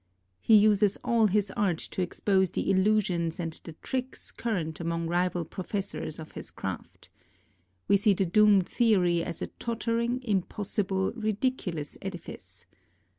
He uses all his art to expose the illusions and the tricks current among rival professsrs of his craft. We see the doomed theory as a tottering, impossible, ridiculous edifice.